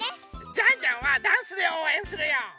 ジャンジャンはダンスでおうえんするよ！